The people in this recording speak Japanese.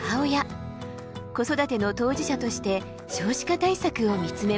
子育ての当事者として少子化対策を見つめます。